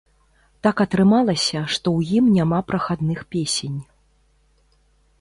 Так атрымалася, што ў ім няма прахадных песень.